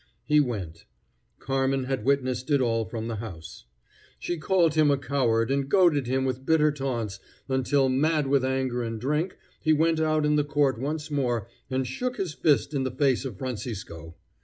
He went. Carmen had witnessed it all from the house. She called him a coward and goaded him with bitter taunts, until, mad with anger and drink, he went out in the court once more and shook his fist in the face of Francisco.